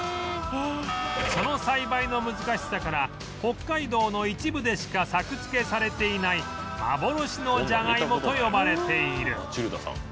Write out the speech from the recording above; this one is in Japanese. その栽培の難しさから北海道の一部でしか作付けされていない幻のじゃがいもと呼ばれている